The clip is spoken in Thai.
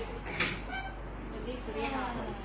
สวัสดีค่ะ